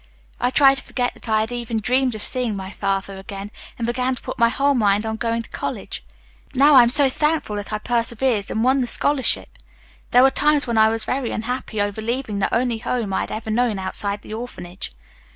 I tried to forget that I had even dreamed of seeing my father again, and began to put my whole mind on going to college. Now I am so thankful that I persevered and won the scholarship. There were times when I was very unhappy over leaving the only home I had ever known, outside the orphanage.